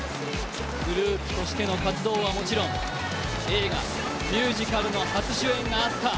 グループとしての活動はもちろん、映画、ミュージカルの初主演があった。